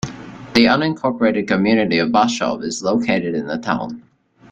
The unincorporated community of Bashaw is located in the town.